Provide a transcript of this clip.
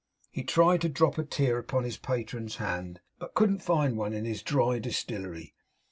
He tried to drop a tear upon his patron's hand, but couldn't find one in his dry distillery.